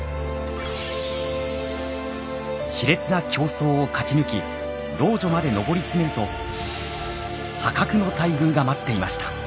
熾烈な競争を勝ち抜き老女まで上り詰めると破格の待遇が待っていました。